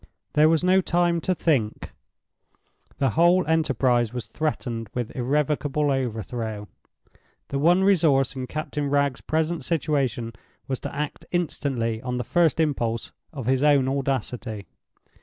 There was no time to think; the whole enterprise was threatened with irrevocable overthrow. The one resource in Captain Wragge's present situation was to act instantly on the first impulse of his own audacity.